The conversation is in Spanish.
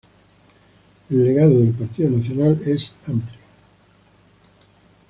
El legado del Partido Nacional es amplio.